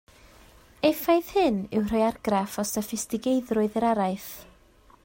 Effaith hyn yw rhoi argraff o soffistigeiddrwydd i'r araith